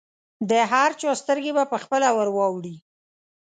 د هر چا سترګې به پخپله ورواوړي.